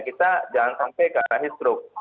kita jangan sampai kena heat stroke